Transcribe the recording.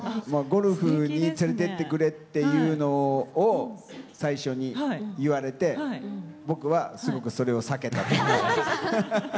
ゴルフに連れていってくれっていうのを最初に言われて、僕はすごくそれを避けたと。